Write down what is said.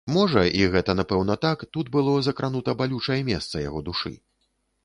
Можа, і гэта напэўна так, тут было закранута балючае месца яго душы.